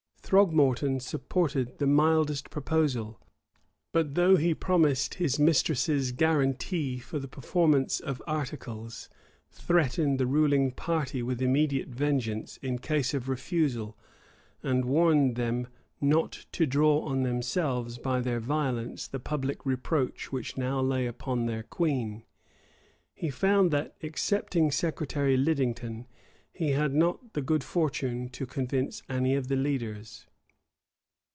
[] Throgmorton supported the mildest proposal; but though he promised his mistress's guaranty for the performance of articles, threatened the ruling party with immediate vengeance in case of refusal,[v] and warned them not to draw on themselves, by their violence, the public reproach which now lay upon their queen, he found that, excepting Secretary Lidington, he had not the good fortune to convince any of the leaders.